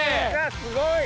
すごい！